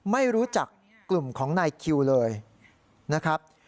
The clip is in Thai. ไม่รู้จักกลุ่มของนายคิวเลยนะครับ